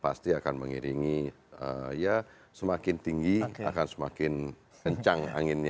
pasti akan mengiringi ya semakin tinggi akan semakin kencang anginnya